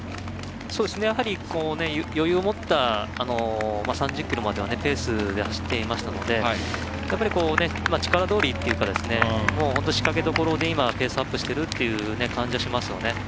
やはり、余裕を持った３０ｋｍまではペースで走っていましたので力どおりというか仕掛けどころで今、ペースアップしているっていう感じはしますよね。